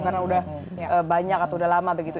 karena udah banyak atau udah lama begitu